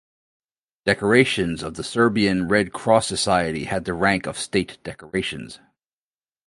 Decorations of the Serbian Red Cross Society had the rank of state decorations.